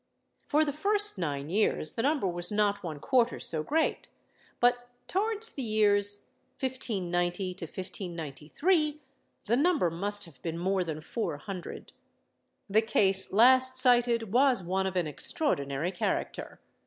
For the first nine years the number was not one quarter so great; but towards the years 1590 to 1593, the number must have been more than four hundred. The case last cited was one of an extraordinary character.